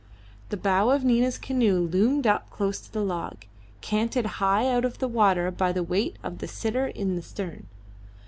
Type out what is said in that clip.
The bow of Nina's canoe loomed up close to the log, canted high out of the water by the weight of the sitter in the stern.